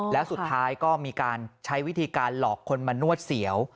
แล้วสุดท้ายก็มีการใช้วิธีการหลอกคนมานวดเสียว